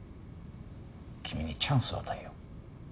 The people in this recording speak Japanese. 君にチャンスを与えよう。